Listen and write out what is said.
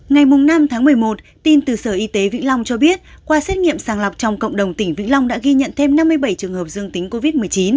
ngày năm tháng một mươi một tin từ sở y tế vĩnh long cho biết qua xét nghiệm sàng lọc trong cộng đồng tỉnh vĩnh long đã ghi nhận thêm năm mươi bảy trường hợp dương tính covid một mươi chín